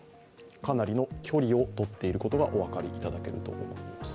かなりの距離を取っていることがお分かりいただけると思います。